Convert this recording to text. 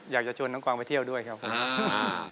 อยากจะชวนน้องกวางไปเที่ยวด้วยครับผม